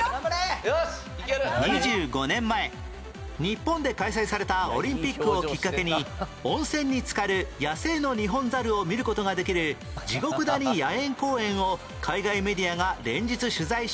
２５年前日本で開催されたオリンピックをきっかけに温泉につかる野生のニホンザルを見る事ができる地獄谷野猿公苑を海外メディアが連日取材し話題に